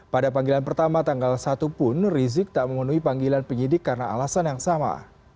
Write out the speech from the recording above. pada panggilan pertama tanggal satu pun rizik tak memenuhi panggilan penyidik karena alasan yang sama